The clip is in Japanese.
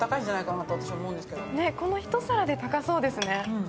この一皿で高そうですね。